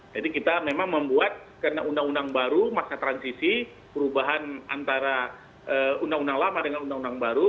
jadi kita memang membuat karena undang undang baru masa transisi perubahan antara undang undang lama dengan undang undang baru